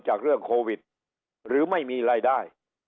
หรือไม่มีรายได้